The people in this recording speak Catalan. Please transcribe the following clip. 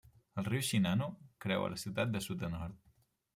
El riu Shinano creua la ciutat de sud a nord.